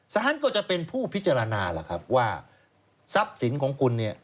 ศาลก็จะเป็นผู้พิจารณาว่าทรัพย์สินของคุณ